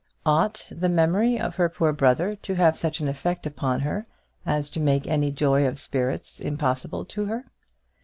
Ought the memory of her poor brother to have such an effect upon her as to make any joy of spirits impossible to her?